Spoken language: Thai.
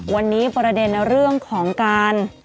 วันนี้ประเด็นเรื่องของการ